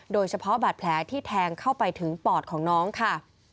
โดยเฉพาะบาดแผลที่แทงเข้าไปถึงปอดของน้องค่ะ